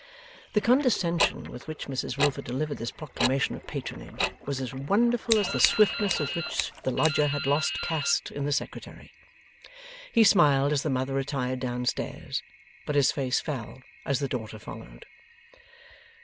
The condescension with which Mrs Wilfer delivered this proclamation of patronage, was as wonderful as the swiftness with which the lodger had lost caste in the Secretary. He smiled as the mother retired down stairs; but his face fell, as the daughter followed.